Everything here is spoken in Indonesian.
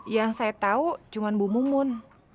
yang saya tau cuman bu mumun